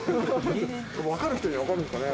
わかる人にはわかるんですかね？